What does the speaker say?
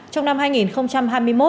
trong năm hai nghìn hai mươi một